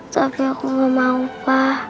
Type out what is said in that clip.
tapi aku nggak mau pa